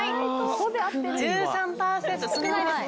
１３％少ないですね。